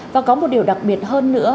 và có một điều đặc biệt hơn nữa